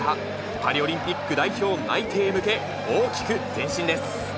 パリオリンピック代表内定へ向け、大きく前進です。